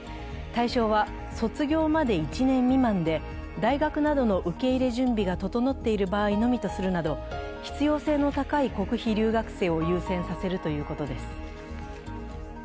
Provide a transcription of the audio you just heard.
対象は卒業まで１年未満で大学などの受け入れ準備が整っている場合のみとするなど必要性の高い国費留学生を優先させるということです。